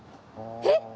えっ！？